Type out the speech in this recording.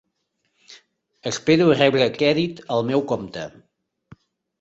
Espero rebre crèdit al meu compte.